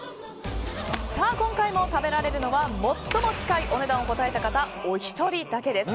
今回も食べられるのは最も近いお値段を答えた方お一人だけです。